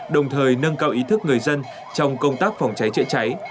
đồng thời nâng cao ý thức người dân trong công tác phòng cháy chữa cháy